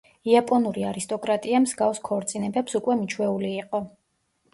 იაპონური არისტოკრატია მსგავს ქორწინებებს უკვე მიჩვეული იყო.